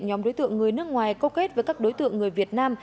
nhóm đối tượng người nước ngoài câu kết với các đối tượng người việt nam